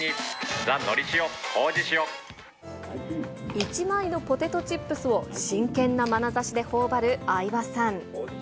１枚のポテトチップスを真剣なまなざしでほおばる相葉さん。